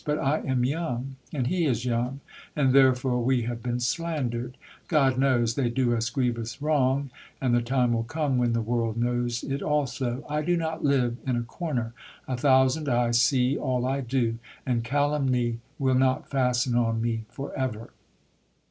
But I am young, and he is young, and therefore we have been slandered. God knows, they do us grievous wrong, and the time will come when the world knows it also. I do not live in a corner; a thousand eyes see all I do, and calumny will not fasten on me for ever."